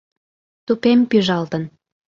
Тупем пӱжалтын.